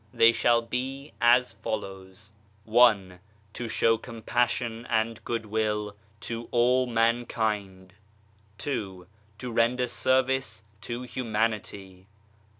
They shall be as follows : i To show compassion and goodwill to all mankind. 2. To render service to humanity.